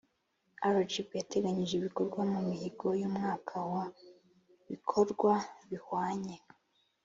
rgb yari yateganyije ibikorwa mu mihigo y umwaka wa ibikorwa bihwanye